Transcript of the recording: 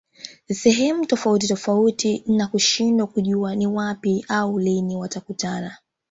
sehemu tofauti tofauti na kushindwa kujua ni wapi au lini watakutana